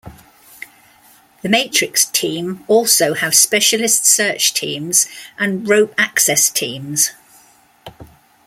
The Matrix team also have specialist search teams and rope access teams.